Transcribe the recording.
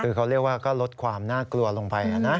คือเขาเรียกว่าก็ลดความน่ากลัวลงไปนะ